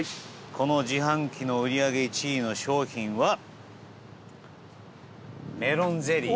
この自販機の売り上げ１位の商品はメロンゼリー。